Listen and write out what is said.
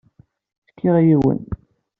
Fkiɣ yiwen.